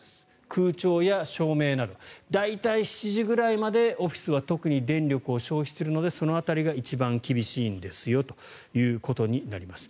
空調や照明など大体７時ぐらいまでオフィスは特に電力を消費するのでその辺りが一番厳しいんですよということになります。